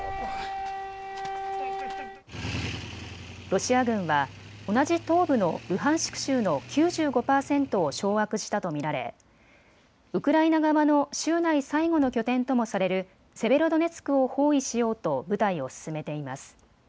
ロシア軍は同じ東部のルハンシク州の９５％を掌握したと見られウクライナ側の州内最後の拠点ともされるセベロドネツクを包囲しようと部隊を進めています。